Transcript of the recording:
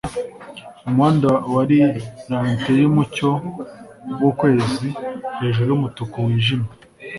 umuhanda wari lente yumucyo wukwezi hejuru yumutuku wijimye,